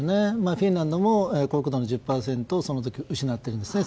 フィンランドも国土の１０％をその時、失っていますね